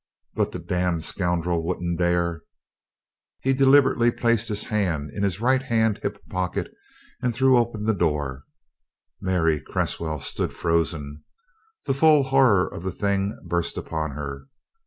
"But the damned scoundrel wouldn't dare!" He deliberately placed his hand in his right hand hip pocket and threw open the door. Mary Cresswell stood frozen. The full horror of the thing burst upon her.